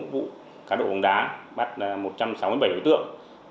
bốn mươi sáu vụ cá độ bóng đá bắt một trăm sáu mươi bảy đối tượng